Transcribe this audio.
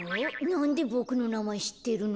なんでボクのなまえしってるの？